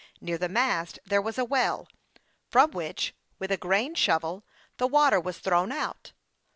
Near the mast there was a well, from which, with a grain shovel, the water was thrown out.